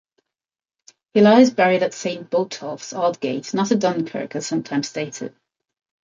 He lies buried at Saint Botolph's, Aldgate, not at Dunkirk, as sometimes stated.